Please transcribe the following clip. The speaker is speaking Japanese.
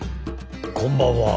こんばんは。